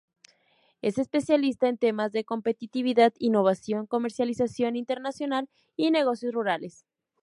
Es especialista en temas de competitividad, innovación, comercialización internacional y negocios rurales.